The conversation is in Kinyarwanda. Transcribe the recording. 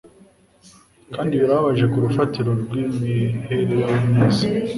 Kandi birababaje ku rufatiro rwimibereho myiza.